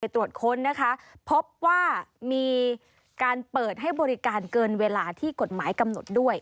ตรวจค้นนะคะพบว่ามีการเปิดให้บริการเกินเวลาที่กฎหมายกำหนดด้วย